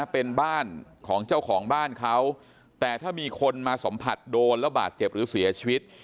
เป็นบ้านของเจ้าของบ้านเขาแต่ถ้ามีคนมาสัมผัสโดนแล้วบาดเจ็บหรือเสียชีวิต